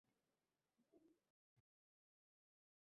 — Ana endi — yaxshi!